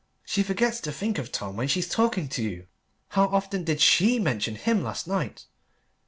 She forgets to think of Tom when she's talking to you. How often did she mention him last night?